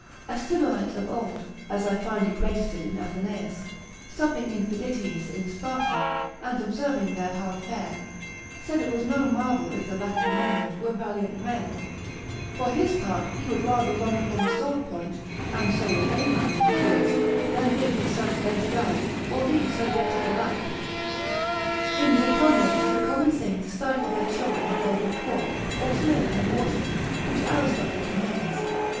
A Sybarite of old, as I find it registered in Athenaeus, supping in Phiditiis in Sparta, and observing their hard fare, said it was no marvel if the Lacedaemonians were valiant men; for his part, he would rather run upon a sword point (and so would any man in his wits,) than live with such base diet, or lead so wretched a life. In Japonia, 'tis a common thing to stifle their children if they be poor, or to make an abortion, which Aristotle commends.